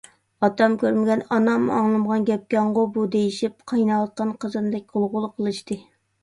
ئاتام كۆرمىگەن، ئانام ئاڭلىمىغان گەپكەنغۇ بۇ دېيىشىپ، قايناۋاتقان قازاندەك غۇلغۇلا قىلىشتى.